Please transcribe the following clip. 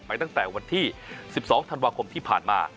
ตั้งแต่วันที่๑๒ธันวาคมที่ผ่านมา